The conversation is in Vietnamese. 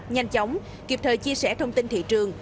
nhanh chóng kịp thời chia sẻ thông tin thị trường